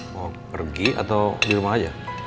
mau pergi atau di rumah aja